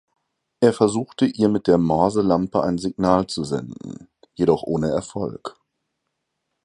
Er versuchte, ihr mit der Morselampe ein Signal zu senden, jedoch ohne Erfolg.